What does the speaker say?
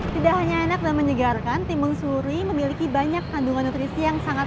tidak hanya enak dan menyegarkan timun suri memiliki banyak kandungan nutrisi yang sangat